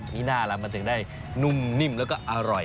มีหน้าล่ะมันถึงได้นุ่มนิ่มแล้วก็อร่อย